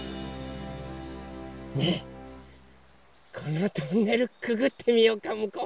ねえこのトンネルくぐってみようかむこうまで。